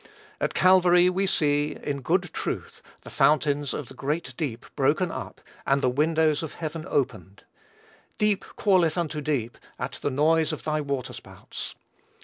At Calvary we see, in good truth, "the fountains of the great deep broken up, and the windows of heaven opened." "Deep calleth unto deep at the noise of thy waterspouts."